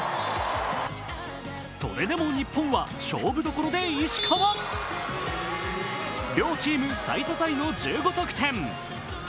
それでも日本は勝負どころで石川両チーム最多タイの１５得点。